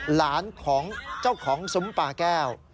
หลานของเจ้าของซุ้มปลาแก้ว